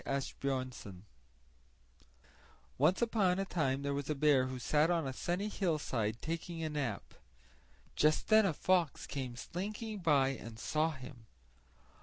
Asbjörnsen Once upon a time there was a bear, who sat on a sunny hillside taking a nap. Just then a fox came slinking by and saw him.